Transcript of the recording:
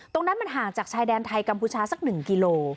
ตรงนั้นมันห่างจากชายแดนไทยกัมพูชาสัก๑กิโล